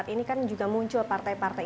ini kan juga muncul partai partai